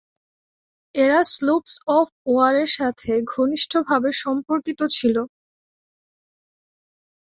এরা স্লুপস-অফ-ওয়ারের সাথে ঘনিষ্ঠভাবে সম্পর্কিত ছিল।